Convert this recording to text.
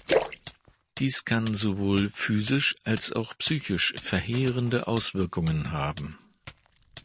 Dies kann sowohl physisch als auch psychisch verheerende Auswirkungen haben.